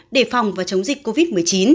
để phòng và chống dịch covid một mươi chín